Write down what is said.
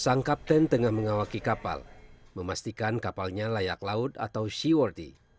sang kapten tengah mengawaki kapal memastikan kapalnya layak laut atau seaworthy